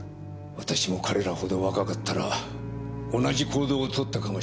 私も彼らほど若かったら同じ行動をとったかもしれない。